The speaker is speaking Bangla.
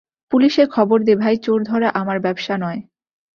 পুলিসে খবর দে ভাই, চোর ধরা আমার ব্যাবসা নয়।